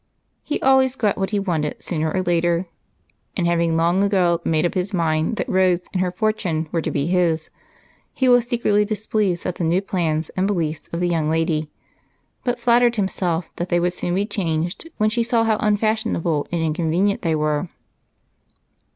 He always got what he wanted sooner or later, and having long ago made up his mind that Rose and her fortune were to be his, he was secretly displeased at the new plans and beliefs of the young lady, but flattered himself that they would soon be changed when she saw how unfashionable and inconvenient they were.